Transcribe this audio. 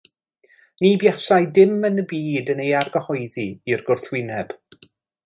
Ni buasai dim yn y byd yn ei argyhoeddi i'r gwrthwyneb.